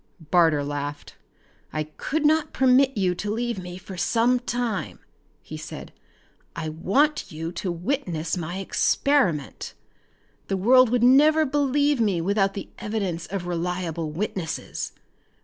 Barter laughed. "I could not permit you to leave me for some time," he said. "I want you to witness my experiment. The world would never believe me without the evidence of reliable witnesses."